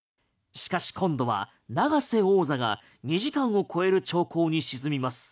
しかし、今度は永瀬王座が２時間を超える長考に沈みます。